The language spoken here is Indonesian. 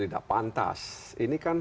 tidak pantas ini kan